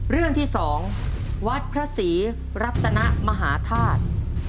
เรื่องที่๒วัดพระศรีรัตนมหาธาตุ